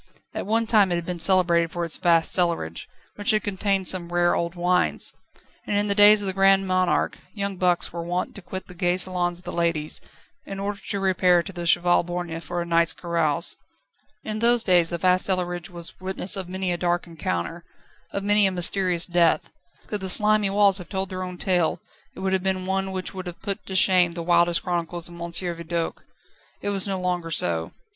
At one time it had been celebrated for its vast cellarage, which had contained some rare old wines. And in the days of the Grand Monarch young bucks were wont to quit the gay salons of the ladies, in order to repair to the Cheval Borgne for a night's carouse. In those days the vast cellarage was witness of many a dark encounter, of many a mysterious death; could the slimy walls have told their own tale, it would have been one which would have put to shame the wildest chronicles of M. Vidoq. Now it was no longer so.